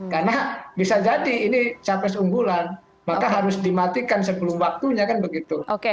karena bisa jadi ini capres unggulan maka harus dimatikan sebelum waktunya kan begitu